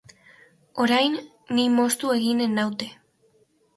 Orain, ni moztu eginen naute.